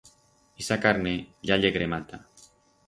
Ixa carne ya ye cremata.